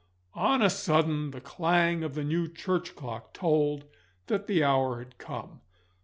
On a sudden the clang of the new church clock told that the hour had come.